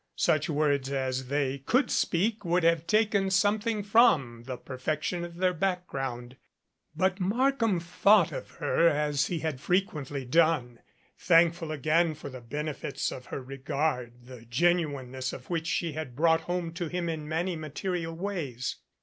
Such words as they could speak would have taken some thing from the perfection of their background. But Markham thought of her as he had frequently done, thankful again for the benefits of her regard, the genuine ness of which she had brought home to him in many ma terial ways.